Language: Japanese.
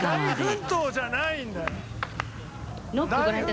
「大奮闘」じゃないんだよ。